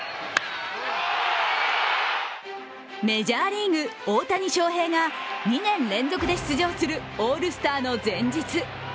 メジャーリーグ、大谷翔平が２年連続で出場するオールスターの前日。